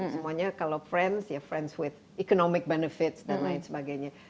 semuanya kalau friends ya friends with economic benefit dan lain sebagainya